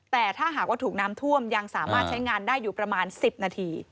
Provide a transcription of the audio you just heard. แต่ถ้าหากว่าถูกน้ำท่วมยังสามารถใช้งานได้อยู่ประมาณ๑๐นาที